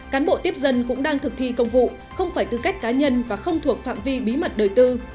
cán bộ tiếp dân cũng đang thực thi công vụ không phải tư cách cá nhân và không thuộc phạm vi bí mật đời tư